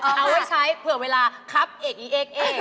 เอาไว้ใช้เผื่อเวลาคับเอกเอก